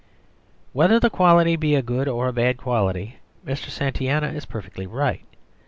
Whether the quality be a good or a bad quality, Mr. Santayana is perfectly right.